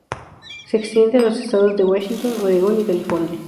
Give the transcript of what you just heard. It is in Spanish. Se extiende a los estados de Washington, Oregón y California.